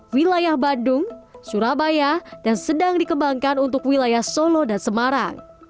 wilayah bandung surabaya dan sedang dikembangkan untuk wilayah solo dan semarang